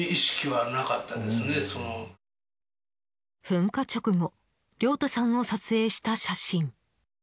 噴火直後亮太さんを撮影した写真。